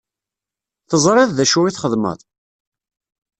Teẓṛiḍ d acu i txedmeḍ?